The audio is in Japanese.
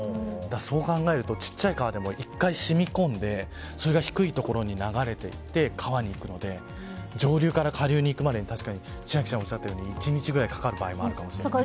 そう考えると、小さい川でも１回染み込んでそれが低いところに流れていって川に行くので上流から下流に行くまでに確かに千秋さんおっしゃったように１日くらいかかる場合がありますね。